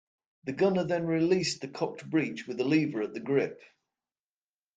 The gunner then released the cocked breech with a lever at the grip.